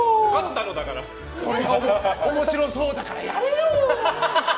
面白そうだからやれよ！